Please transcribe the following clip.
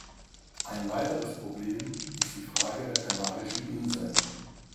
Ein weiteres Problem ist die Frage der Kanarischen Inseln.